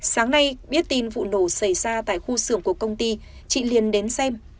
sáng nay biết tin vụ nổ xảy ra tại khu xưởng của công ty chị liền đến xem